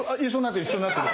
一緒になってる！